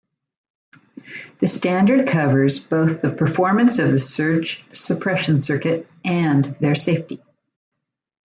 The standard covers both the performance of the surge suppression circuit and their safety.